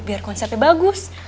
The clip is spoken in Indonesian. biar konsepnya bagus